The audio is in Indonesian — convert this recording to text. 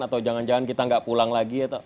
atau jangan jangan kita nggak pulang lagi